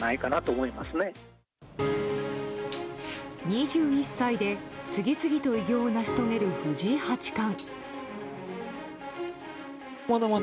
２１歳で、次々と偉業を成し遂げる藤井八冠。